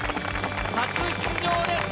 初出場です。